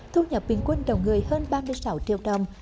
thu nhập bình quân đầu người hơn ba mươi sáu triệu đồng